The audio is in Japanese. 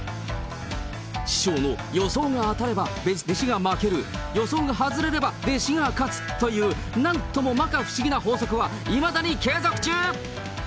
師匠の予想が当たれば弟子が負ける、予想が外れれば弟子が勝つという、なんともまか不思議な法則は、いまだに継続中。